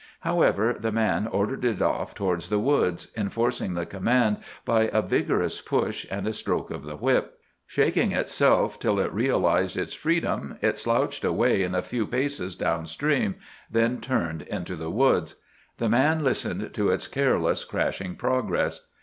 However, the man ordered it off towards the woods, enforcing the command by a vigorous push and a stroke of the whip. Shaking itself till it realized its freedom, it slouched away a few paces down stream, then turned into the woods. The man listened to its careless, crashing progress.